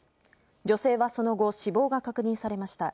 女性はその後死亡が確認されました。